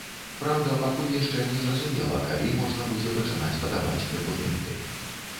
Праўда, пакуль яшчэ незразумела, калі можна будзе пачынаць падаваць дакументы.